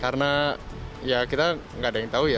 karena ya kita nggak ada yang tahu ya